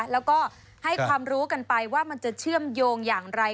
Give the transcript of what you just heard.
แล้วก็ให้ความรู้กันไปว่ามันจะเชื่อมโยงอย่างไร